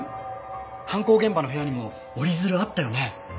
犯行現場の部屋にも折り鶴あったよね？